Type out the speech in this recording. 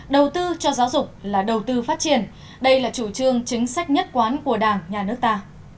đầu tư cho giáo dục là đầu tư phát triển đây là chủ trương chính sách nhất quán của đảng nhà nước ta